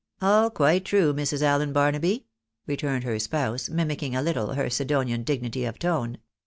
"All quite true, Mrs. Allen Barnaby," returned her spouse, mimicking a little her Siddonian dignity of tone.